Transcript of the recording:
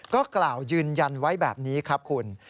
ก็กล่าวยืนยันไว้แบบนี้ครับคุณ